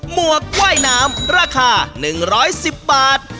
หวกว่ายน้ำราคา๑๑๐บาท